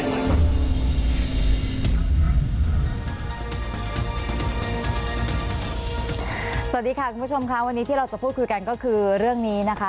สวัสดีค่ะคุณผู้ชมค่ะวันนี้ที่เราจะพูดคุยกันก็คือเรื่องนี้นะคะ